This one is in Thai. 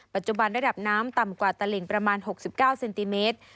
ปัจจุบันระดับน้ำต่ำกว่าตลิงประมาณ๖๙เซนติเมตร